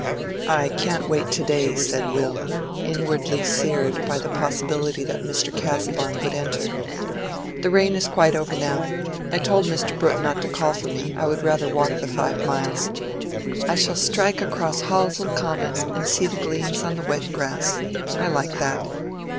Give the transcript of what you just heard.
"I can't wait to day," said Will, inwardly seared by the possibility that Mr. Casaubon would enter. "The rain is quite over now. I told Mr. Brooke not to call for me: I would rather walk the five miles. I shall strike across Halsell Common, and see the gleams on the wet grass. I like that."